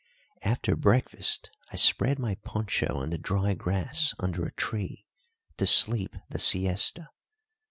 After breakfast I spread my poncho on the dry grass under a tree to sleep the siesta.